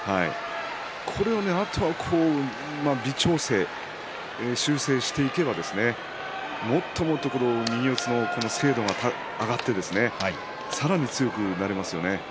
これをあとは微調整、修正していけばもっともっと右四つの精度が上がってさらに強くなりますよね。